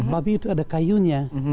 babi itu ada kayunya